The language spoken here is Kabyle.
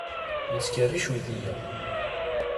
Yettkerric uydi-a.